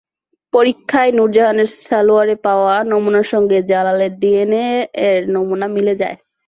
পরীক্ষায় নুরজাহানের সালোয়ারে পাওয়া নমুনার সঙ্গে জালালের ডিএনএর নমুনা মিলে যায়।